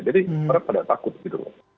jadi orang pada takut gitu